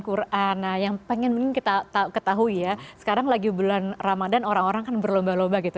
qur an yang pengen kita ketahui ya sekarang lagi bulan ramadhan orang orang kan berlomba lomba gitu